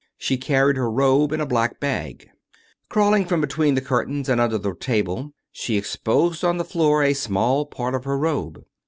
She carried her robe in a black bag. Crawling from between the curtains and under the table, she exposed on the floor a small part of her robe.